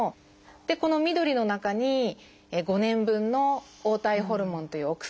この緑の中に５年分の黄体ホルモンというお薬が入っていて。